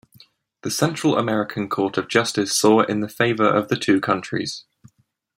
The Central American Court of Justice saw in the favor of the two countries.